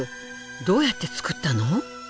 どうやってつくったの？